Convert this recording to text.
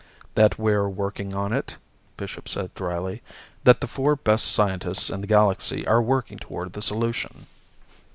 "That we're working on it," Bishop said dryly. "That the four best scientists in the Galaxy are working toward the solution."